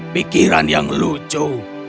pikiran yang lucu